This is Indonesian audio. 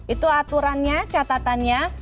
itu aturannya catatannya